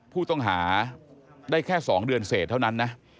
ผู้ต้องหาได้แค่๒เดือนเสร็จเท่านั้นนะ